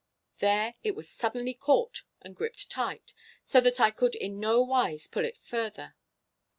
There it was suddenly caught and gripped tight, so that I could in no wise pull it further.